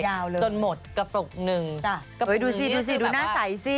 เลยจนหมดกระปุกหนึ่งจ้ะกลับไปดูสิดูสิดูหน้าใสสิ